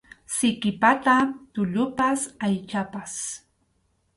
Siki pata tullupas aychapas.